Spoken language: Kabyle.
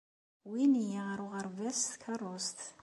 Wwin-iyi ɣer uɣerbaz s tkeṛṛust.